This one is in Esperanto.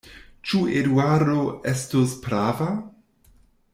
Ĉu Eduardo estus prava?